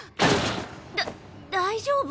だ大丈夫？